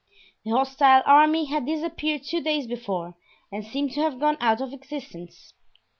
The hostile army had disappeared two days before and seemed to have gone out of existence.